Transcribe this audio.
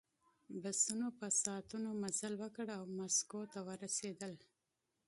بسونو په ساعتونو مزل وکړ او مسکو ته ورسېدل